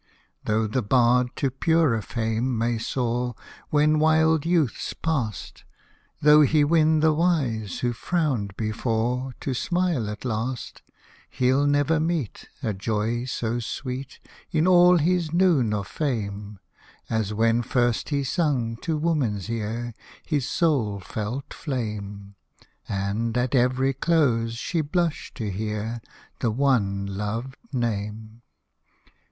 Tho' the bard to purer fame may soar, When wild youth's past ; Tho' he win the wise, who frowned before, To smile at last ; He'll never meet A joy so sweet, Hosted by Google WEEP ON, WEEP ON In all his noon of fame, As when first he sung to woman's ear His soul felt flame, And, at every close, she blushed to hear The one loved name.